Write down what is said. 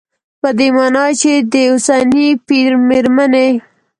په دې مانا چې د اوسني پېر مېرمنې